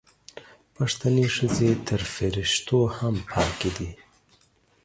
پښتنې ښځې تر فریښتو هم پاکې دي